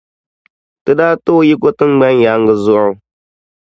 Ti daa ti o yiko tiŋgbani yaaŋa zuɣu.